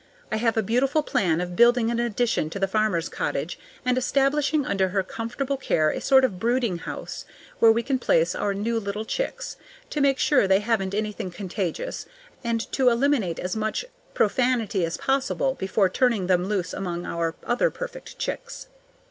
I have a beautiful plan of building an addition to the farmer's cottage, and establishing under her comfortable care a sort of brooding house where we can place our new little chicks, to make sure they haven't anything contagious and to eliminate as much profanity as possible before turning them loose among our other perfect chicks.